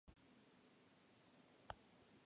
Aquellos que murieron incluían a Scott y Newbury.